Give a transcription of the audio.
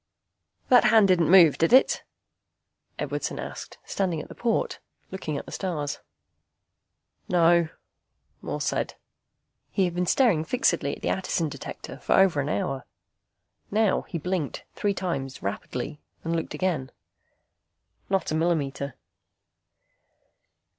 "That hand didn't move, did it?" Edwardson asked, standing at the port, looking at the stars. "No," Morse said. He had been staring fixedly at the Attison Detector for over an hour. Now he blinked three times rapidly, and looked again. "Not a millimeter."